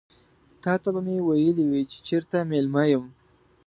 تاته به مې ويلي وي چې چيرته مېلمه یم.